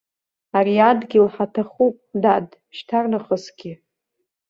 Ари адгьыл ҳаҭахуп, дад, шьҭарнахысгьы.